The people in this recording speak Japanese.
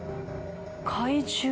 怪獣？